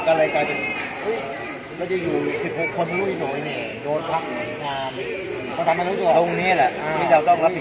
สวัสดีครับพี่เบนสวัสดีครับ